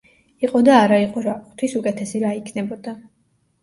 იყო და არა იყო რა, ღვთის უკეთესი რა იქნებოდა.